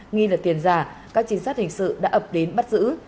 nghi là tiền giả các trinh sát hình sự đã ập đến bắt giữ